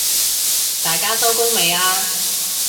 大家收工未啊？